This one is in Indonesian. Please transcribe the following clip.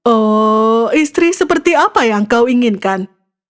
oh istri seperti apa yang kau inginkan